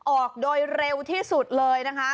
ออกโดยเร็วที่สุดเลยนะคะ